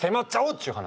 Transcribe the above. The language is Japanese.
っちゅう話。